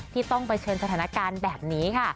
ที่ต้องเผชิญสถานการณ์แบบนี้ค่ะ